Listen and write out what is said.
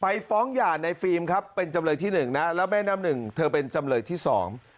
ฟ้องหย่าในฟิล์มครับเป็นจำเลยที่หนึ่งนะแล้วแม่น้ำหนึ่งเธอเป็นจำเลยที่สอง